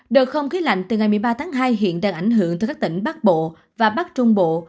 đợt không khí lạnh từ ngày một mươi ba tháng hai hiện đang ảnh hưởng tới các tỉnh bắc bộ và bắc trung bộ